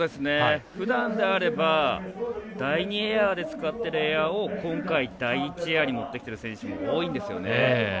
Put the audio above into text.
ふだんであれば第２エアで使っているエアを今回、第１エアに持ってきている選手も多いんですよね。